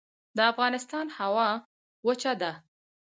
د افغانستان هوا وچه ده